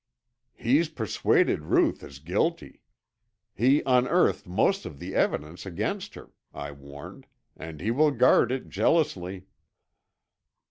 "He's persuaded Ruth is guilty. He unearthed most of the evidence against her," I warned, "and he will guard it jealously."